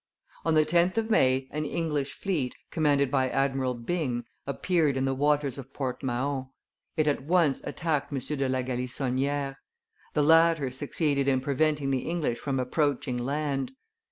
On the 10th of May an English fleet, commanded by Admiral Byng, appeared in the waters of Port Mahon; it at once attacked M. de la Galissonniere. The latter succeeded in preventing the English from approaching land.